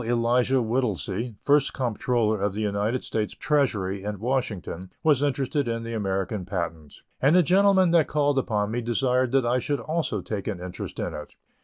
Elisha Whittlesey, First Comptroller of the United States Treasury at Washington, was interested in the American patent, and the gentleman that called upon me desired that I should also take an interest in it.